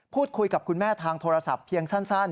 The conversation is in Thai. พูดคุยกับคุณแม่ทางโทรศัพท์เพียงสั้น